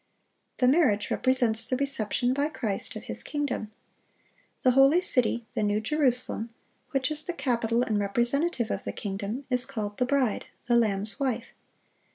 The marriage represents the reception by Christ of His kingdom. The holy city, the New Jerusalem, which is the capital and representative of the kingdom, is called "the bride, the Lamb's wife."